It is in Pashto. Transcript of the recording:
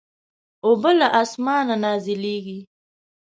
اوبه له اسمانه نازلېږي.